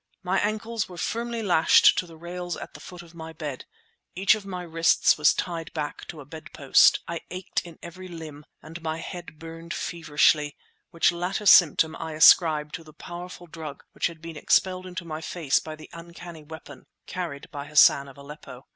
My ankles were firmly lashed to the rails at the foot of my bed; each of my wrists was tied back to a bedpost. I ached in every limb and my head burned feverishly, which latter symptom I ascribed to the powerful drug which had been expelled into my face by the uncanny weapon carried by Hassan of Aleppo.